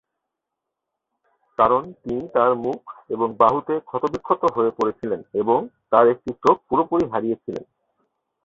কারণ তিনি তার মুখ এবং বাহুতে ক্ষতবিক্ষত হয়ে পড়েছিলেন এবং তার একটি চোখ পুরোপুরি হারিয়ে ছিলেন।